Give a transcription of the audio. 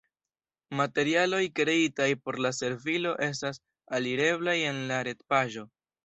Materialoj kreitaj por la servilo estas alireblaj en la retpaĝo.